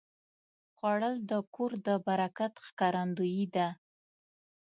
خوړل د کور د برکت ښکارندویي ده